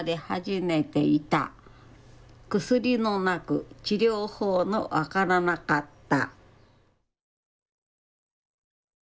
薬もなく治療法も分からなかった。